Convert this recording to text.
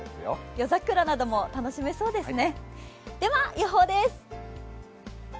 夜桜なども楽しめそうですね。